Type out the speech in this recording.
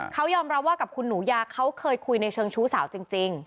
เขายอมรับว่ากับคุณหนูยาเขาเคยคุยในเชิงชู้สาวจริง